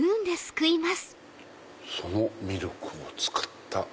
そのミルクを使った。